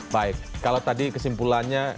baik kalau tadi kesimpulannya